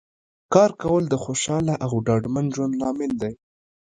کار کول د خوشحاله او ډاډمن ژوند لامل دی